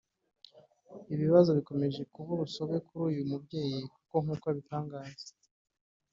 Ibibazo bikomeje kuba urusobe kuri uyu mubyeyi kuko nk’uko abitangaza